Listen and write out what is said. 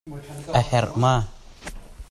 Sunghno ka nu nih buh le sa a ka chuanh.